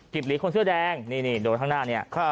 กิบหลีคนเสื้อแดงดูข้างหน้านี้